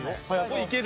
いける。